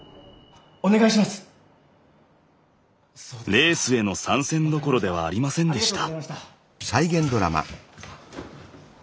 レースへの参戦どころではありませんでした。